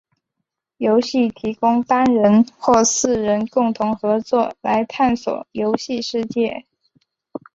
游戏提供单人或四人共同合作来探索游戏世界。